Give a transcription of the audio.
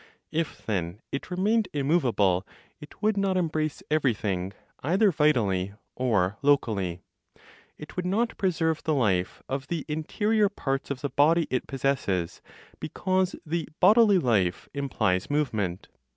If then it remained immovable, it would not embrace everything either vitally or locally; it would not preserve the life of the interior parts of the body it possesses, because the bodily life implies movement.